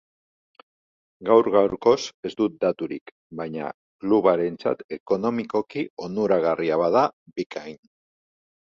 Gaur gaurkoz ez dut daturik, baina klubarentzat ekonomikoki onuragarria bada, bikain.